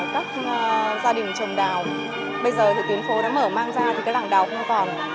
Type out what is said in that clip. các gia đình trồng đào bây giờ thì tuyến phố đã mở mang ra thì cái đẳng đào không còn